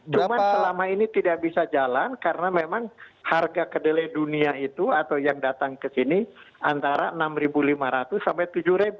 cuma selama ini tidak bisa jalan karena memang harga kedelai dunia itu atau yang datang ke sini antara rp enam lima ratus sampai rp tujuh